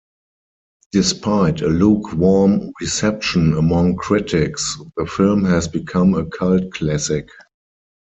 Despite a lukewarm reception among critics, the film has become a cult classic.